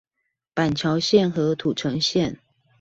板橋線和土城線